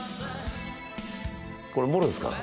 これもろですか？